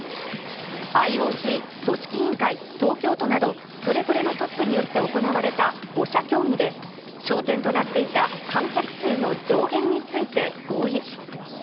ＩＯＣ、組織委員会、東京都など、それぞれのトップによって行われた５者協議で、焦点となっていた観客数の上限について合意。